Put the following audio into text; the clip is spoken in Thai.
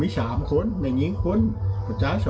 มี๓คนแน่นิงคนประจา๒